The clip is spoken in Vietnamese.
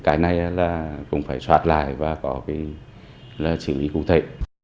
cái này cũng phải soát lại và có chữ ý cụ thể